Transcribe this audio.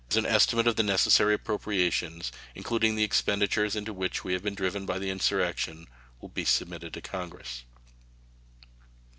An estimate of the necessary appropriations, including the expenditures into which we have been driven by the insurrection, will be submitted to Congress.